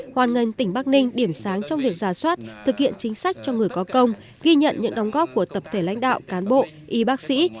hoàn ngành tỉnh bắc ninh điểm sáng trong việc giả soát thực hiện chính sách cho người có công ghi nhận những đóng góp của tập thể lãnh đạo cán bộ y bác sĩ